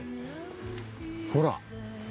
ほら。